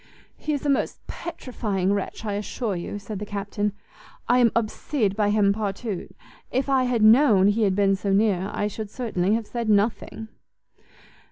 "He is a most petrifying wretch, I assure you," said the Captain; "I am obsede by him partout; if I had known he had been so near, I should certainly have said nothing."